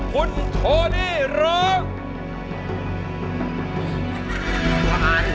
คุณโทนี่ร้อง